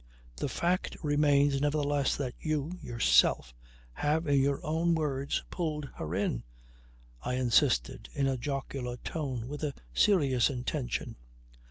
"The fact remains nevertheless that you yourself have, in your own words, pulled her in," I insisted in a jocular tone, with a serious intention.